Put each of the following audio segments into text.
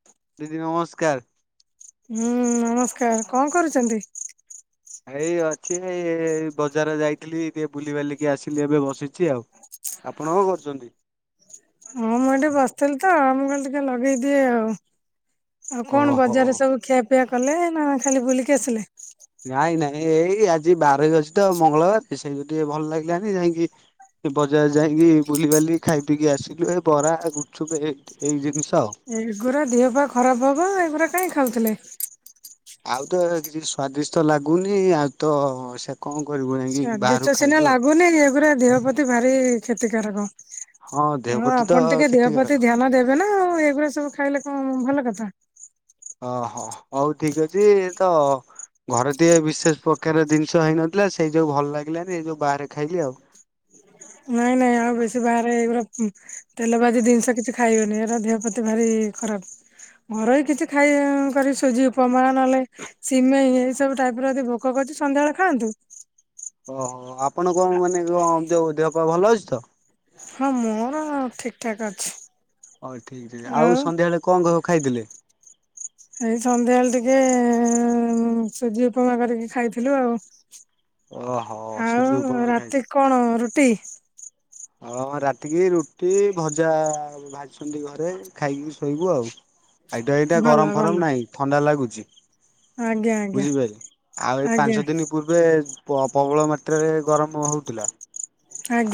[unintelligible] ଦିଦି ନମସ୍କାର। ହୁଁ ହୁଁ ନମସ୍କାର କଅଁ କରୁଚନ୍ତି? ଏଇ ଅଛି ଏ ବଜାର ଯାଇଥିଲି ଟିକେ ବୁଲି ବାଲିକି ଆସିଲି ଏବେ ବସିଛି ଆଉ। ଆପଣ କଣ କରୁଚନ୍ତି? ମୁଁ ଏଠି ବସିଥିଲି ତ ମୁଁ କହିଲି ଟିକେ ଲଗେଇଦିଏ ଆଉ। ଆଉ କଣ ଓହୋ। ବଜାରରେ ସବୁ ଖିଆପିଆ କଲେ ନା ଖାଲି ବୁଲିକି ଆସିଲେ? ନାଇଁ ନାଇଁ ଏଇ ଆଜି ବାରେରେ ଅଛି ତ ମଙ୍ଗଳବାର ସେଇ ଟିକେ ଭଲ ଲାଗିଲାନି ଯାଇକି ବଜାର ଯାଇକି ବୁଲିିବାଲି ଖାଇପିକି ଆସିଲୁ ଏ ବରା ଗୁପଚୁପ ହେ ଏଇ ଜିନିଷ ଆଉ। ଏଗୁୁରା ଦେହ ପା ଖରାପ ହବ ଏଗୁୁରା କାଇଁ ଖାଉଥିଲେ? ଆଉ ତ କିଛି ସ୍ଵାଦିଷ୍ଟ ଲାଗୁନି ଆଉ ତ ସେ କଅଁ ଆ କରିବୁ। ଯାଇକି ବାହାରୁ ସ୍ଵାଦିଷ୍ଟ ସିନା ଖାଇଲୁ ଆଉ। ଲାଗୁନି ଏ ଗୁରା ଦେହ ପ୍ରତି ଭାରି କ୍ଷତିକାରକ। ଦେହ ହଁ ପ୍ରତି ତ ଆପଣ ଟିକେ ଦେହ କ୍ଷତିକାର ପ୍ରତି ଧ୍ୟାନ ଦେ ନା ଆଉ ଏଗୁଡା ସବୁ ଖାଇଲେ କଣ ଭଲ କଥା। ଓହୋ ହଉ ଠିକ ଅଛି ତ। ଘରେ ଟିଏ ବିଶେଷ ପ୍ରକାର ଜିନିଷ ହେଇନଥିଲା ସେଇ ଯୋଉ ଭଲ ଲାଗିଲାନି ଏ ଯୋଉ ବାହାରେ ଖାଇଲି ଆଉ। ନାଇଁ ନାଇଁ ଆଉ ବେଶୀ ବାହାରେ ଏଇଗୋରା ତେଲ ବାଜି ଜିନିଷ କିଛି ଖାଇବନି ଏହାର ଦେହ ପ୍ରତି ଭାରି ଖରାପ। ଘୋରୁଇ କିଛି ଖାଇ କରି ସୁଜି ଉପମା ନେହେଲେ। ସିମେଇ ଏଇ ସବୁ ଟାଇପ ର ଯଦି ଭୋକ କରୁଛି ସନ୍ଧ୍ୟାବେଳେ ଖାଆନ୍ତୁ। ଓହୋ ଆପଣ କଣ ମାନେ କଣ ଯଉ ଦେହ ପା ଭଲ ଅଛି ତ? ହଁ ମୋର ଠିକଠାକ୍ ଅଛି। ହଉ ଠିକ୍ ଅ ଆଉ ସନ୍ଧ୍ୟାବେଳେ କଣ କହ ଖାଇଥିଲେ। ଏଇ ସନ୍ଧ୍ୟାବେଳେ ଟିକେ ସୁଜି ଉପମା କରିକି ଖାଇଥିଲୁ ଆଉ। ଓ ହୋ ସୁଜି ଆଉ ଉପମା ଖାଇ ରାତି କଣ ରୁଟି। ହଁ ରାତିକି ରୁଟି ଭଜା। ଭାଜିଛନ୍ତି ଘରେ ଖାଇକି ଶୋଇବୁ ଆଉ। ଏଇଟ ଏଇଟା ଭଲ ଗରମ ଫରମ ଭଲ ନାଇଁ ଥଣ୍ଡା ଲାଗୁଛି। ଆଜ୍ଞା ଆଜ୍ଞା ବୁଝିପାଇଲେ ଆଉ ଏଇ ଆଜ୍ଞା ପାଞ୍ଚ ଦିନି। ପୂର୍ବେ ପ ପ୍ରବଳ ମାତ୍ରାରେ ଗରମ ହଉଥିଲା।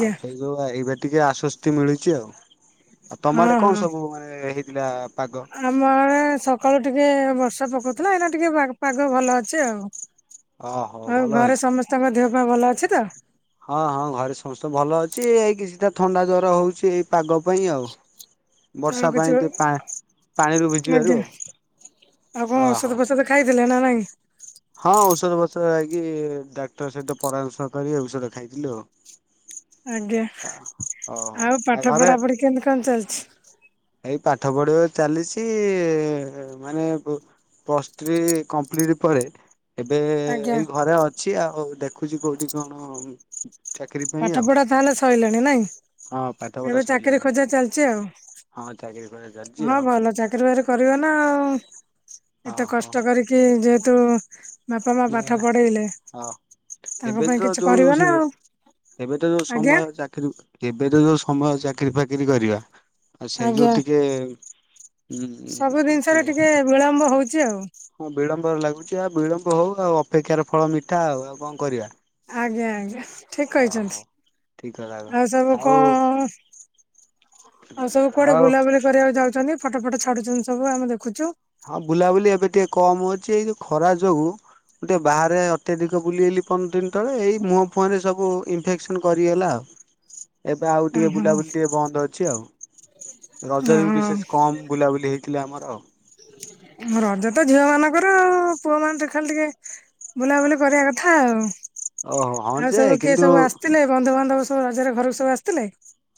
ଆଉ ସେଇ ଯଉ ଏବେ ଟିକେ ଆଶ୍ଵସ୍ତି ମିଳୁଛି ଆଉ ଆଉ ତମ ହଁ ଆଡେ କଣ ହଁ। ସବୁ ମାନେ ପିଲା ପାଗ। ଆମ ଆଡେ ସକାଳୁ ଟିକେ ବର୍ଷା ପକଉଥିଲା ଏଇନା ଟିକେ ପାଗ ଭଲ ଅଛି ଆଉ। ଓହୋ ଆଉ ଭଲ ଘରେ ଅଛି। ସମସ୍ତଙ୍କ ଦେହ ପା ଭଲ ଅଛି ତ? ହଁ ହଁ ଘରେ ସମସ୍ତେ ଭଲ ଅଛି ଏଇ କିଛିଟା ଥଣ୍ଡା ଜର ହଉଛି ଏଇ ପାଗ ପାଇଁ ଆଉ। ଆଉ ବର୍ଷା ପାଇଁ କିଛି ଟିକେ ପା ପାଣିରୁ ଭିଜିବାରୁ ଆଜ୍ଞା ଆଉ [unintelligible] ଆଉ କଣ ଓହୋ। ଔଷଧ ପଷଦ ଖାଇଦେଲେ ନା ନାଇଁ। ହଁ ଔଷଧ ବଷଧ ଲାଗି ଡାକ୍ତର ସହିତ ପରାମର୍ଶ କରି ଔଷଧ ଖାଇଥିଲୁ ଆଉ। ଆଜ୍ଞା ଓହୋ ଆଉ ଆଉ ପାଠ ଘରେ ପଢାପଢି କେମତି କଣ ଚାଲିଛି? ଏଇ ପାଠ ପଢିବା ଚାଲିଛି ମାନେ ବୁ ପସ୍ ଥ୍ରୀ କମ୍ପ୍ଲିଟ୍ ପରେ। ଏବେ ଆଜ୍ଞା ଏଇ ଘରେ ଅଛି ଆଉ ଦେଖୁଛି କୋଉଠି କଣ ହ ପାଠ ପଢା ତାହେଲେ ସଇଲାଣି ନାଇଁ ହଁ ପାଠ ପଢା ଏବେ ଚାକିରି ସରିଲାଣି। ଖୋଜା ଚାଲିଚି ଆଉ। ହଁ ଚାକିରି ଖୋଜା ଚାଲିଛି ହଁ ଆଉ। ଭଲ ଚାକିରୀ ବାକିରି କରିବ ନା ଆଉ ଏତେ ଓହୋ କଷ୍ଟ କରିକି ଯେହେତୁ। ବାପା ମା ପାଠ ନା ପଢ଼େଇଲେ ହଁ ତାଙ୍କ ଏବେ ପାଇଁ ତ କିଛି ଯୋଉ କରିବ ସେ ନା ଆଉ। ଏବେ ତ ଯୋଉ ଆଜ୍ଞା ସମୟ ଚାକିରୀ ଏବେ ତ ଯୋଉ ସମୟ ଚାକିରି ଫାକିରି କରିବା। ଆଉ ସେଇ ଯୋଉ ଆଜ୍ଞା ଟିକେ ହୁଁ ସବୁ ହୁଁ ଜିନିଷରେ ଏଠେ ଟିକେ ବିଳମ୍ବ ହଉଛି ଆଉ ହଁ ବିଳମ୍ବରେ ଲାଗୁଚି ଆଉ ବିଳମ୍ବ ହଉ ଆଉ ଅପେକ୍ଷାର ଫଳ ମିଠା ଆଉ ଆଉ କଣ କରିବା। ଆଜ୍ଞା ଆଜ୍ଞା ଠିକ କହିଚନ୍ତି ଓହୋ ଠିକ କଥା ଆଉ ସବୁ କଣ? ଆଉ ସବୁ କୁଆଡେ ଆଉ ବୁଲାବୁଲି କରିବାକୁ ଯାଉଚନ୍ତି ଫଟୋ ଫଟ ଛାଡୁଛନ୍ତି ସବୁ ଆମେ ଦେଖୁଚୁ। ହଁ ବୁଲାବୁଲି ଏବେ ଟିକେ କମ ହଉଛି ଏଇ ଯୋଉ ଖରା ଯୋଗୁ। ଗୋଟେ ବାହାରେ ଅତ୍ୟଧିକ ବୁଲିଗଲି ପନ୍ଦର ଦିନ ତଳେ ଏଇ ମୁହଁ ଫୁହଁରେ ସବୁ ଇନଫେକ୍ସନ କରିଗଲା ଆଉ। ଏବେ ଆଉ ଟିକେ ଓହୋ ବୁଲାବୁଲି ଟିକେ ବନ୍ଦ ଅଛି ଆଉ। ରଜରେ ବି ବିଶେଷ କମ ବୁଲାବୁଲି ହେଇଥିଲେ ଆମର ରଜ ତ ଝିଅ ମାନଙ୍କର ଆଉ ପୁଅ ମାନ ଟେ ଖାଲି ଟିକେ ବୁଲାବୁଲି କରିବା କଥା ଆଉ। ଓହୋ ହଁ ଆଉ ଯେ ସବୁ କିଏ କିନ୍ତୁ ସବୁ ଆସିଥିଲେ? ବନ୍ଧୁବାନ୍ଧବ ସବୁ ରଜ ରେ ଘରକୁ ସବୁ ଆସିଥିଲେ?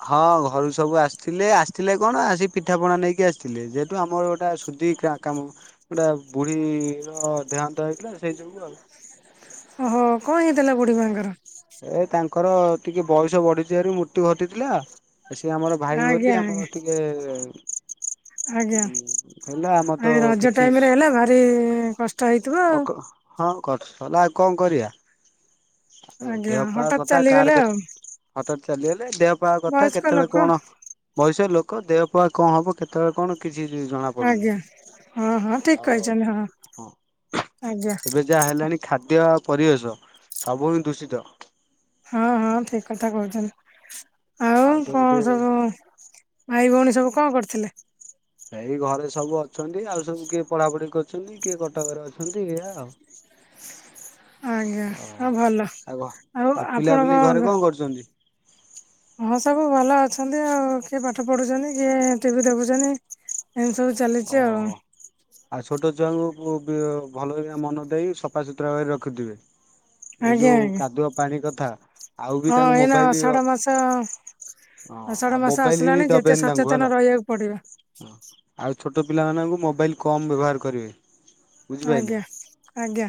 ହଁ ଘରୁ ସବୁ ଆସିଥିଲେ ଆସିଥିଲେ କଣ ଆସି ପିଠା ପଣା ନେଇକି ଆସିଥିଲେ ଯେହେତୁ ଆମର ଗୋଟା ଶୁଦ୍ଧି କାମ ଗୋଟେ ବୁଢ଼ୀର ଦେହାନ୍ତ ହେଇଥିଲା ସେଇ ଯୋଗୁଁ ଆଉ ଓହୋ କଣ ହେଇଥିଲା ବୁଢୀ ମାଙ୍କର? ଏ ତାଙ୍କର ଟିକେ ବୟସ ବଢି ଥିବାରୁ ମୃତ୍ୟୁ ଘଟିଥିଲା। ସି ଆମର ଭାଇ ଆଜ୍ଞା ବୋଲି ଆଜ୍ଞା ଆମର ଟିକେ ଆଜ୍ଞା ହଁ ହେଲା ଆମର ଆଉ ତ ରଜ କିଛି ଟାଇମ ରେ ହେଲା ଭାରି କଷ୍ଟ ହେଇଥିବ ଆଉ। ହଁ କରଲା ଆଉ କଣ କରିବା? ଆଜ୍ଞା ଦେହପାହ ହଠାତ୍ କଥା କାହାର ଚାଲିଗଲେ କେ ଆଉ ହଠାତ୍ ଚାଲିଗଲେ ଦେହପାହ କଥା ବୟସ୍କ କେତେବେଳେ ଲୋକ କଣ ବୟସ ଲୋକ ଦେହପାହ କଣ ହବ କେତେ କେତେବେଳେ କଣ କିଛି ଜଣାପଡ଼ୁନି। ଆଜ୍ଞା ହଁ ହଁ ଠିକ କହିଛନ୍ତି ହଁ ଆଜ୍ଞା। ଏବେ ଯାହା ହେଲାଣି ଖାଦ୍ୟ ଆଉ ପରିବେଶ ସବୁ ହିଁ ଦୂଷିତ। ହଁ ହଁ ଠିକ କଥା କହୁଛନ୍ତି ଆଉ ତ ଏଠି କଣ ସବୁ ଭାଇ ଭଉଣୀ ସବୁ କଣ କରିଥିଲେ? ଏଇ ଘରେ ସବୁ ଅଛନ୍ତି ଆଉ ସବୁ କିଏ ପଢାପଢି କରୁଛନ୍ତି କିଏ କଟକରେ ଅଛନ୍ତି ଏଇଆ ଆଉ। ଆଜ୍ଞା ଓହୋ ହଁ ଭଲ ଆଉ ଆଉ ଆପଣ ପିଲାପିଲି ଘରେ କଣ? କରୁଛନ୍ତି। ହଁ ସବୁ ଭଲ ଅଛନ୍ତି ଆଉ କିଏ ପାଠ ପଢୁଛନ୍ତି କିଏ ଟିଭି ଦେଖୁଛନ୍ତି। ଇଣ୍ଟି ସବୁ ଚାଲିଛି ଆଉ। ଓହୋ ଆଉ ଛୋଟ ଛୁଆଙ୍କୁ ଭଲ ମନ ଦେଇ ସଫାସତୁରା କରି ରଖୁଥିବେ। ଏଇ ଆଜ୍ଞା ଯୋଉ ଆଜ୍ଞା କାଦୁଆ ପାଣି କଥା ଆଉ ବି ହଁ ତାଙ୍କୁ ଏଇନା ମୋବାଇଲ ହଁ ଆଷାଢ଼ ମାସ। ଆଉ ଆଷାଢ ମାସ ମୋବାଇଲ ବି ଆସିଲାଣି ଯେତେ ଦବେନି ତାଙ୍କୁ ହେଲା। ସଚେତନ ରହିବାକୁ ପଡିବ। ହଁ ଆଉ ଛୋଟ ପିଲାମାନଙ୍କୁ ମୋବାଇଲ୍ କମ୍ ବ୍ୟବହାର କରିବେ। ବୁଝିପାରିଲେ। ଆଜ୍ଞା ଆଜ୍ଞା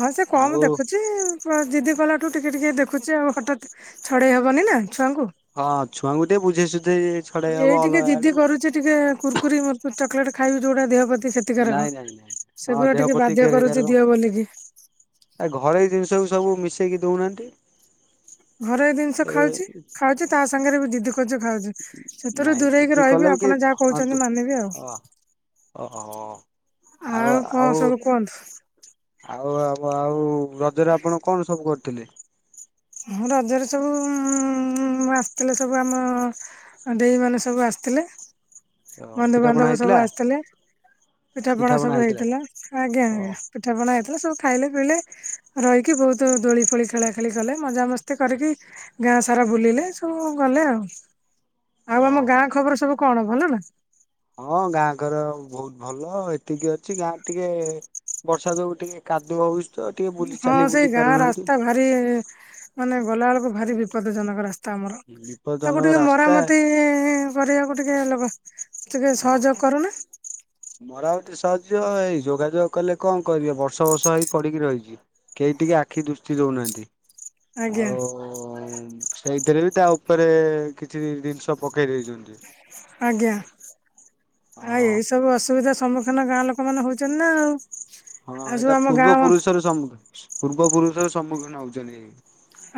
ହଁ ସେ କମ ଆଉ ଦେଖୁଛି। ଜିଦି କଲାଠୁ ଟିକେ ଟିକିଏ ଦେଖୁଛି ଆଉ ହଠାତ୍ ଛଡ଼େଇ ହେବନି ନା ଛୁଆଙ୍କୁ। ହଁ ଛୁଆଙ୍କୁ ଟିକେ ବୁଝେଇସୁଝେଇ। ଏଇ ଟିକେ ଜିଦି କରୁଛି ଟିକେ କୁର୍କୁରି ମୂର୍କୁରି ଚକୋଲେଟ ଖାଇବୁ ଯୋଉଟା ଦେହ ପ୍ରତି ସେ କ୍ଷତିକାରକ ନାଇଁ ନାଇଁ ନାଇଁ। ହଁ ସେଗୁଡା ଦେହ ଟିକେ ପ୍ରତି ବାଧ୍ୟ କରୁଛି କ୍ଷତିକାରକ ଦିଅ ବୋଲିକି। ଏ ଘରୋଇ ଜିନିଷକୁ ସବୁ ମିଶେଇକି ଦଉନାହାନ୍ତି। ଘରୋଇ ଜିନିଷ ଏ ଖାଉଛି ଖାଉଛି ତା ସାଙ୍ଗରେ ବି ଜିଦି ଖାଉଛୁ ସେଥିରୁ ନାଇଁ ଜିଦି ଦୂରେଇକି କଲେ ରହିବି ଆପଣ ଯାହା କହୁଛନ୍ତି ମାନିବି ଆଉ। ଓ ହୋ ଆଉ କଣ ଆଉ। ସବୁ କୁହନ୍ତୁ ଆଉ ଆଉ ରଜରେ ଆପଣ କଣ ସବୁ କରିଥିଲେ? ହ ରଜରେ ସବୁ ଆସିଥିଲେ ସବୁ ଆମ ଆଉ ଦେଇ ମାନେ ସବୁ ଆସିଥିଲେ। ପିଠାପଣା ବନ୍ଧୁବାନ୍ଧବ ସବୁ ହେଇଥିଲା ଆସିଥିଲେ ପିଠା ପଣା ସବୁ ହେଇଥିଲା ଆଜ୍ଞା ଓ ଆଜ୍ଞା। ପିଠା ପଣା ହେଇଥିଲା ସବୁ ଖାଇଲେ ପିଇଲେ ରହିକି ବହୁତ ଦୋଳି ଫୋଳି ଖେଳା ଖେଳି କଲେ ମଜ ମସ୍ତି କରିକି ଗାଁ ସାରା ବୁଲିଲେ ସବୁ ଗଲେ ଆଉ। ଆଉ ଓ ଆମ ଗାଁ ଖବର ସବୁ କଣ ଭଲ ନା? ହଁ ଗାଁ ଘର ବହୁତ ଭଲ ଏତିକି ଅଛି ଗାଁ ଟିକେ ବର୍ଷା ଯୋଗୁ ଟିକେ କାଦୁଅ ହଉଚି ତ ଟିକେ ବୁଲି ଚାଲି ବୁଲି ପାରୁନାହାନ୍ତି। ଆରେ ମାନେ ଗଲା ବେଳକୁ ଭାରି ବିପଦଜନକ ରାସ୍ତା। ତମର ତାକୁ ବିପଦଜନକ ଟିକେ ରାସ୍ତା ମରାମତି- କରିବାକୁ ଟିକେ ଲଗା ଟିକେ ହଁ ସହଯୋଗ କରୁନା। ମରାମତି ସାହାଯ୍ୟ ଏଇ ଯୋଗାଯୋଗ କଲେ କଣ କରିବେ ବର୍ଷ ବର୍ଷ ହେଇ ପଡ଼ିକି ରହିଚି। କେହି ଟିକେ ଆଖି ଦୃଷ୍ଟି ଦଉନାହାନ୍ତି। ଆଜ୍ଞା। ଓ ସେଇଥିରେ ବି ତା ଉପରେ କିଛି ଜିନିଷ ପକେଇ ଦେଇଚନ୍ତି। ଆଜ୍ଞା ଅ ଆଉ ଏଇ ସବୁ ଅସୁବିଧା ସମ ନ ଗାଁ ଲୋକ ମାନେ ହଉଚନ୍ତି ନା ଆଉ। ହଁ ଆଉ ସବୁ ଏଇଟା ଆମ ପୂର୍ବ ଗାଁ ପୁରୁଷରୁ ସମୁ- ପୂର୍ବ ପୁରୁଷ ରୁ ସମ୍ମୁଖୀନ ହଉଚନ୍ତି।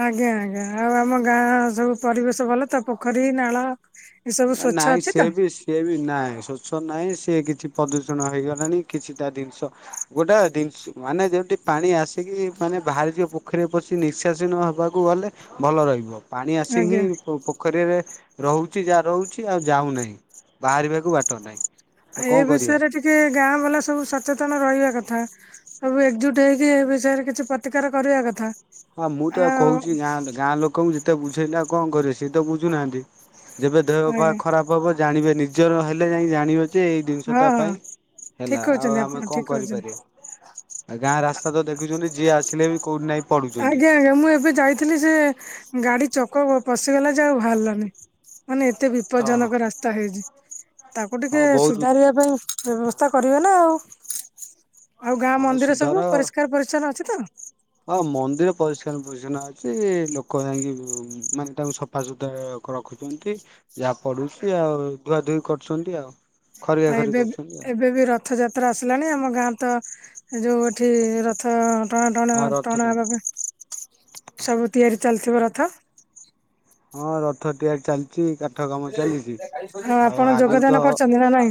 ଆଜ୍ଞା ଆଜ୍ଞା ଆଉ ଆମ ଗାଁ ସବୁ ପରିବେଶ ଭଲ ତ? ପୋଖରୀ ନାଳ ଏ ସବୁ ସ୍ୱଚ୍ଛ ନାଇଁ ଅଛି ସେ ତ? ବି ସିଏ ବି ନାଇଁ ସ୍ୱଚ୍ଛ ନାହିଁ ସେ କିଛି ପ୍ରଦୂଷଣ ହେଇଗଲାଣି କିଛି ତା ଜିନିଷ ଗୋଟା ଜିନିଷ- ମାନେ ଯଉଠି ପାଣି ଆସିକି ମାନେ ବାହାରିଯିବ ପୋଖରୀରେ ପଶି ନିଶାସୀନ ହବାକୁ କୁ ଗଲେ ଭଲ ରହିବ ପାଣି ଆସିଙ୍କି ଆଜ୍ଞା ପୋଖରୀ ରେ ରହୁଚି ଯା ରହୁଛି ଆଉ ଯାଉନାହିଁ ବାହାରିବାକୁ ବାଟ ନାହିଁ। ତ ଏଇ କଣ କରିବା ବିଷୟରେ ଟିକେ ଗାଁ ବାଲା ସବୁ ସଚେତନ ରହିବା କଥା। ସବୁ ଏକଜୁଟ୍ ହେଇକି ଏ ବିଷୟରେ କିଛି ପ୍ରତିକାର କରିବା କଥା। ହଁ ମୁଁ ତ ଆଉ କହୁଛି ଗାଁ ଗାଁ ଲୋକଙ୍କୁ ଯେତେ ବୁଝେଇଲା କଣ କରେ ସିଏ ତ ବୁଝୁନାହାନ୍ତି। ଯେବେ ଦେହ ପାହା ଆଜ୍ଞା ଖରାପ ହବ ଜାଣିବେ ନିଜର ହେଲେ ଯାଇ ଜାଣିବେ ତେ ଏଇ ହଁ ଜିନିଷଟା ହଁ ପାଇଁ ଠିକ ହେଲା ଆଉ କହୁଛନ୍ତି ଆପଣ ଆମେ ଠିକ କଣ କହୁଛନ୍ତି କରିପାରିବା? ଗାଁ ରାସ୍ତା ତ ଦେଖୁଛନ୍ତି ଯିଏ ଆସିଲେ ବି କୋଉଟି ନାଇଁ ଆଜ୍ଞା ଆଜ୍ଞା ମୁଁ ଏବେ ଯାଇଥିଲି ସେ ଗାଡି ଚକ ପଶିଗଲା ଯେ ଆଉ ବାହାରିଲାନି। ମାନେ ଏତେ ହଁ। ବିପଦଜନକ ରାସ୍ତା ହେଇଚି ତାକୁ ହଁ ଟିକେ ବହୁତ ସୁଧାରିବା ପାଇଁ ବ୍ୟବସ୍ତା କରିବେ ନା, ଆଉ ଆଉ ଗାଁ ହଁ ମନ୍ଦିର ସୁଧାର ସବୁ ପରିଷ୍କାର ପରିଚ୍ଛନ୍ନ ଅଛି ତ? ହଁ ମନ୍ଦିର ପରିଷ୍କାର ପରିଚ୍ଛନ ଅଛି ଲୋକ ଯାଇକି ମ୍ ମାନେ ତାକୁ ସ ସଫାସୁତରା ର ରଖୁଛନ୍ତି ଯାହା ପଡୁଛି ଆଉ ଧୁଆ ଧୁଇ କରୁଛନ୍ତି ଆଉ। ଖରିକା ଆଉ ଖରି ଏବେ ବି କରୁଛନ୍ତି ଆଉ ଏବେ ବି ର ରଥଯାତ୍ରା ଆସିଲାଣି ଆମ ଗାଁ ତ ଯଉ ଏଠି ରଥ ଟଣା ଟଣା ହଁ ରଥ ତ ଟଣା ସବୁ ତିଆରି ଚାଲିଥିବ ରଥ? ହଁ ରଥ ଟିଆରି ଚାଲିଚି କାମ ଚାଲିଚି ଆଉ ଆପଣ ଆଗକୁ ଯୋଗଦାନ ତ କରିଛନ୍ତି ନା ନାଇଁ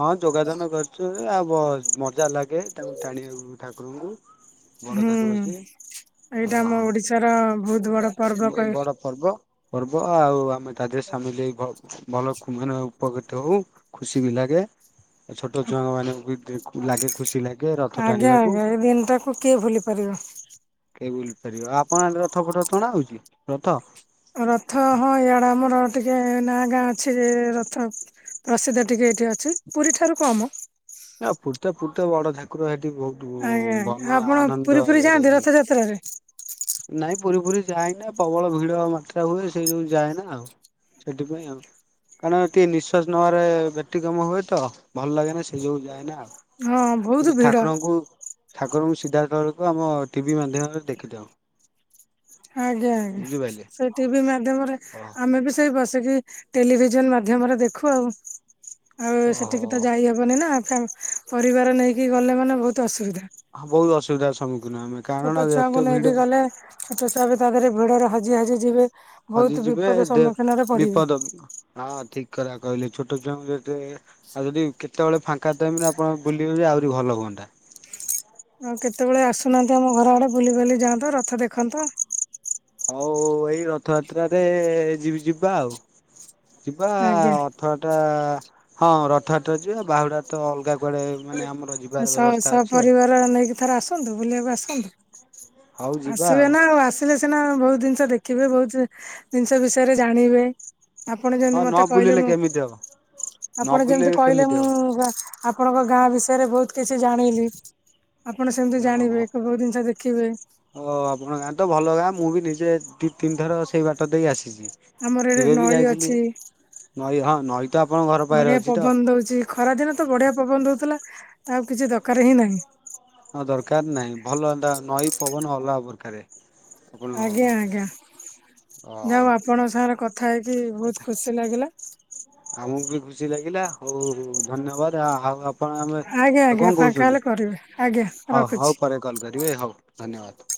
ହଁ ଯୋଗାଦାନ କରୁଚୁ ଆଉ ମଜା ଲାଗେ ତାଙ୍କୁ ଟାଣିବାକୁ ଠାକୁରଙ୍କୁ ବଡ ହୁଁ ଠାକୁର ସିଏ ଏଇଟା ଆମ ଓଡିଶାର ବହୁତ୍ ବଡ ପର୍ବ ମୁଁ କହି ବଡ଼ ପର୍ବ ପର୍ବ ଆଉ ଆମେ ତା ଦେହରେ ସାମିଲ ହେଇ ଭ- ଭଲ ମାନେ ଉପକୃତ ହଉ। ଖୁସି ବି ଲାଗେ ଛୋଟ ଛୁଆଙ୍କ ମାନଙ୍କୁ ବି ପ୍ରି ଲାଗେ ଖୁସି ଲାଗେ ରଥ ଆଜ୍ଞା ଟାଣିବାକୁ। ଆଜ୍ଞା ଏଇ ଦିନଟାକୁ କିଏ ଭୁଲି ପାରିବ କେହି ବୁଲି ପାରିବ ଆପଣ ଆଡେ ରଥ ଫଟ ତଣା ହଉଛି ରଥ? ରଥ ହଁ ଇଆଡେ ଆମର ଟିକେ ନାଁ ଗାଁ ଅଛି ଯେ ରଥ ପ୍ରସିଦ୍ଧ ଟିକେ ଏଇଠି ଅଛି ପୁରୀ ଠାରୁ କମ। ନା [unintelligible] ବଡ ଠାକୁର ହେଟି ବହୁ ହଁ ଆପଣ ପୁରୀ ଫୁରୀ ଯାଆନ୍ତି ହୁଏ ରଥଯାତ୍ରାରେ? ନାଇଁ ପୁରୀ ଫୁରୀ ଯାଏ ନା ପ୍ରବଳ ଭିଡ ମାତ୍ରା ହୁଏ ସେଇ ଯୋଉ ଯାଏ ନା ଆଉ। ସେଥିପାଇ ଆଉ [unintelligible] କାରଣ ଟିକେ ନିଶ୍ୱାସ ନେବାରେ ବ୍ୟତିକ୍ରମ ହୁଏ ତ ଭଲ ଲାଗେ ନା ସେ ଯୋଗୁଁ ଯାଏନା ଆଉ ହଁ ବହୁତ କିନ୍ତୁ ଭିଡ ଠାକୁରଙ୍କୁ ଠାକୁରଙ୍କୁ ସିଧାଥଳକୁ ଆମ ଟିଭି ମାଧ୍ୟମରେ ଦେଖିଥାଉ ଆଜ୍ଞା ଆଜ୍ଞା ବୁଝିପାରିଲେ। ସେଇ ଟିଭି ମାଧ୍ୟମରେ ଓହୋ। ଆମେ ବି ସେଇ ବସିକି ଟେଲିଭିଜନ ମାଧ୍ୟମରେ ଦେଖୁ ଆଉ ଆଉ ସେଠିକ ତ ଯାଇହବନି ନା ପରିବାର ନେଇକି ଗଲେ ମାନେ ବହୁତ ଅସୁବିଧା ହଁହୁ ଅସୁବିଧାର ସମ୍ମୁଖୀନ ଆମେ କାରଣ ଛୋଟ ଏତେ ଛୁଆଙ୍କୁ ଭିଡ ନେଇକି ଗଲେ ଛୋଟ ଛୁଆ ବି ତା ଦେହରେ ଭିଡରେ ହାଜି ହାଜି ଯିବେ ବହୁତ ହଜିଯିବେ ବିପଦ ଦେ ସମ୍ମୁଖୀନରେ ପଡିବେ ବିପଦ ହଁ ଠିକ କରା କହିଲ ଛୋଟ ଛ ଯେେ ଆଉ ଯଦି କେତେବେଳେ ଫାଙ୍କା ଟାଇମ ରେ ଆପଣ ବୁଲିବେ ଯେ ଆହୁରି ଭଲ ହୁଅନ୍ତା ଆଉ କେତେବେଳେ ଆସୁନାହାନ୍ତି ଆମ ଘର ଆଡେ ବୁଲି ବୁଲି ଯାଆନ୍ତ ରଥ ଦେଖନ୍ତ। ହଉ ଏଇ ରଥଯାତ୍ରାରେଏ -ଏ -ଏ ଯିବି ଯିବା ଆଉ। ଯିବାଆ ଆଜ୍ଞା ଆ ଅଥଆ ଟା ହଁ। ପଥଥାରେ ଯିବା ବାହୁଡ଼ା ତ ଅଲଗା କୁଆଡ଼େ ମାନେ ଆମର ଯିବାର ସ ବ୍ୟବସ୍ଥା ଅଛି ଆଉ। ସପରିବାର ନେଇକି ଥରେ ଆସନ୍ତୁ ବୁଲିବାକୁ ଆସନ୍ତୁ ହଉ ଯିବା ଆସିବେ ନା ଆଉ ଆମ୍ ସରି ହେଲେ ସିନା ବହୁତ୍ ଜିନିଷ ଦେଖିବେ ବହୁତୁ ଜିନିଷ ବିଷୟରେ ଜାଣିବେ। ଆପଣ ହଁ ଯେମତି ନ ମତେ କହିଲେ ବୁଲିଲେ ମୁଁ କେମିତି ହବ ନ ଆପଣ ଯେମିତି ବୁଲିଲେ କହିଲେ। କେମିତି ହବ। ମୁ ଆପଣଙ୍କ ଗାଁ ବିଷୟରେ ବହୁତ କିଛି ଜାଣିଲି। ଆପଣ ସେମତି ଜାଣିବେ ଓହୋ କେ କୋଉ ଜିନିଷ ଦେଖିବେ। ଓ ଆପଣଙ୍କ ଗାଁ ତ ଭଲ ଗାଁ ମୁଁ ବି ନିଜେ ଦି ତିନିଥର ସେଇ ବାଟ ଦେଇକ ଆସିଛି। ଆମର ଏଠି ଏବେ ବି ନଈ ଯାଇଥିଲି ଅଛି। ନଈ ହଁ ନଈ ତ ଆପଣଙ୍କ ଘର ପାଖରେ ବଢିଆ ଅଛି ତ। ପବନ ଦଉଛି ଖରା ଦିନ ତ ବଢିଆ ପବନ ରଉଥିଲା ଆଉ କିଛି ଦରକାର ହିଁ ନାହିଁ‌ ହ ଦରକାର ନାହିଁ ଭଲ ଏଟା ନଈ ପବନ ଅଲରାପ୍ରକାରେ। ଆଜ୍ଞା ଆଜ୍ଞା ହଉ ଯାଉ ଆପଣଙ୍କ ସାଙ୍ଗରେ କଥା ହେଇକି ବହୁତ୍ କଥା ଖୁସି ଲାଗିଲା। ଆମକୁ ବି ଖୁସି ଲାଗିଲା ହଉଉ ଧନ୍ୟବାଦ ଆ ଆଉ। ଆପଣ ଆମେ ଆଜ୍ଞା ଆଜ୍ଞା କଣ ଫାଙ୍କା ହେଲେ କହୁଛନ୍ତି, କରିବେ ଆଜ୍ଞା ହଉ ରଖୁଛି। ହଉ ପରେ କଲ୍ କରିବେ ହଉ ଧନ୍ୟବାଦ।